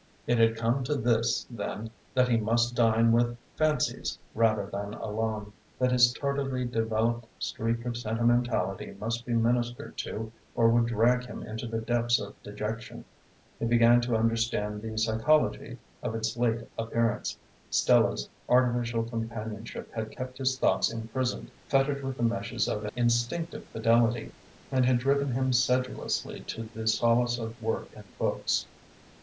It had come to this, then, that he must dine with fancies rather than alone, that this tardily developed streak of sentimentality must be ministered to or would drag him into the depths of dejection. He began to understand the psychology of its late appearance. Stella's artificial companionship had kept his thoughts imprisoned, fettered with the meshes of an instinctive fidelity, and had driven him sedulously to the solace of work and books.